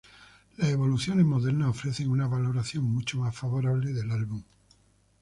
Las evaluaciones modernas ofrecen una valoración mucho más favorable del álbum.